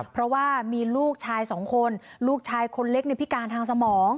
เพราะว่ามีลูกชายสองคนลูกชายคนเล็กในพิการทางสมอง